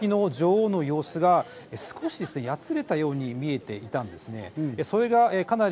その時の女王の様子が少しやつれたように見えていたんですね。